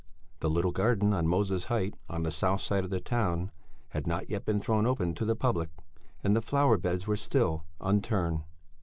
The little garden on "Moses Height," on the south side of the town had not yet been thrown open to the public, and the flower beds were still unturned.